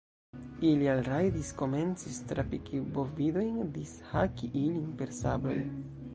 ili alrajdis, komencis trapiki bovidojn, dishaki ilin per sabroj.